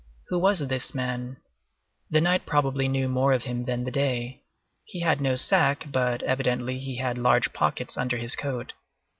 Who was this man? The night probably knew more of him than the day. He had no sack, but evidently he had large pockets under his coat.